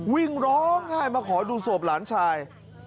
วิ่งร้องไห้มาขอดูศพหลานชาย